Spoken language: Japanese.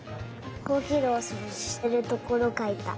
ほうきでおそうじしてるところかいた。